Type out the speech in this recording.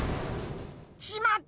しまった！